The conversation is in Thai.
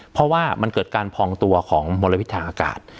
เพราะว่ามันเกิดการพองตัวของมลพิษทางอากาศ